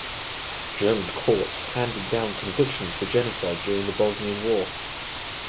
German courts handed down convictions for genocide during the Bosnian War.